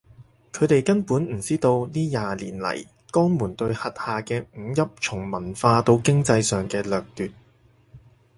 佢哋根本唔知道呢廿年嚟江門對轄下嘅五邑從文化到經濟上嘅掠奪